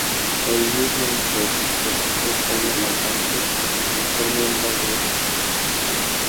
El mismo año debutó como cantante al ser miembro de Hey!